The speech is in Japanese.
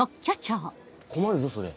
困るぞそれ。